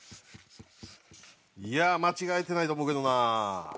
いや間違えてないと思うけどな。